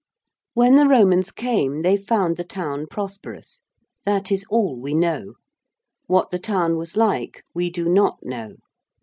When the Romans came they found the town prosperous. That is all we know. What the town was like we do not know.